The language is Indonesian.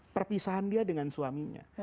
perpisahan dia dengan suaminya